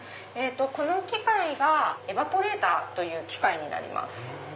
この機械がエバポレーターという機械になります。